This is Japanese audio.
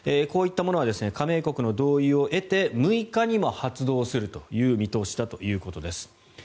こういったものは加盟国の合意を得て６日にも発動するという見通しだということです。